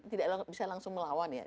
tidak bisa langsung melawan ya